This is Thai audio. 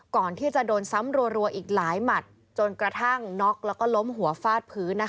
ก่อนที่จะโดนซ้ำรัวอีกหลายหมัด